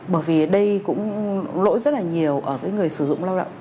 bởi vì ở đây cũng lỗi rất là nhiều ở người sử dụng lao động